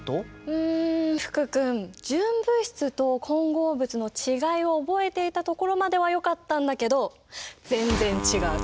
うん福君純物質と混合物の違いを覚えていたところまではよかったんだけど全然違う。